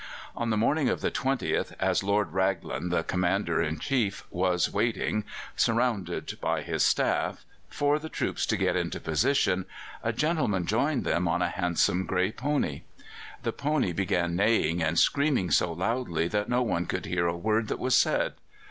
On the morning of the 20th, as Lord Raglan, the Commander in Chief, was waiting, surrounded by his staff, for the troops to get into position, a gentleman joined them on a handsome grey pony. The pony began neighing and screaming so loudly that no one could hear a word that was said.